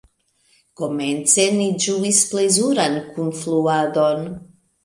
Komence ni ĝuis plezuran kunfluadon.